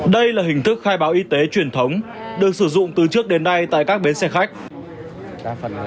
đây là hình thức khai báo y tế truyền thống được sử dụng từ trước đến nay tại các bến xe khách